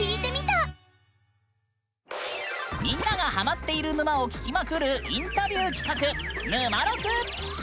みんながハマっている沼を聞きまくるインタビュー企画「ぬまろく」！